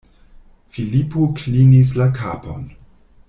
Filipo klinis la kapon.